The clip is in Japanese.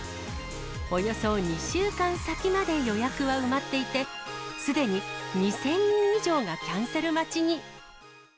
およそ２週間先まで予約は埋まっていて、すでに２０００人以上がキャンセル待ちに。